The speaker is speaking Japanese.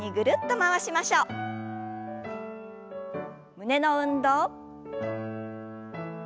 胸の運動。